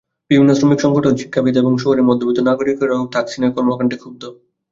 বিভিন্ন শ্রমিক সংগঠন, শিক্ষাবিদ এবং শহুরে মধ্যবিত্ত নাগরিকেরাও থাকসিনের কর্মকাণ্ডে ক্ষুব্ধ।